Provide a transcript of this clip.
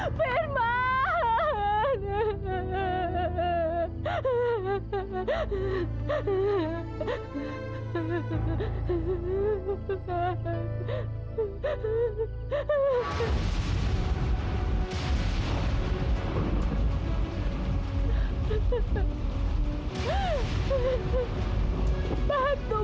abang abang dia tinggal dengan aku